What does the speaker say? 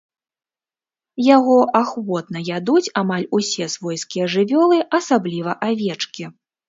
Яго ахвотна ядуць амаль усе свойскія жывёлы, асабліва авечкі.